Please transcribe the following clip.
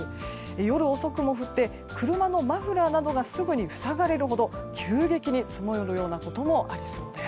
夜遅くも降って車のマフラーなどがすぐに塞がれるほど急激に積もるようなこともありそうです。